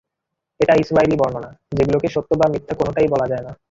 এটা ইসরাঈলী বর্ণনা— যেগুলোকে সত্য বা মিথ্যা কোনটাই বলা যায় না।